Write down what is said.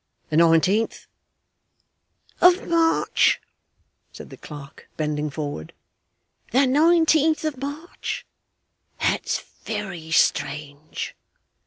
'The nineteenth.' 'Of March,' said the clerk, bending forward, 'the nineteenth of March; that's very strange.